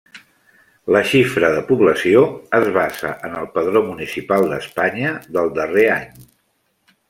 La xifra de població es basa en el padró municipal d'Espanya del darrer any.